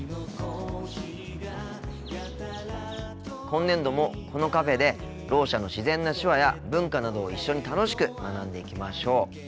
今年度もこのカフェでろう者の自然な手話や文化などを一緒に楽しく学んでいきましょう。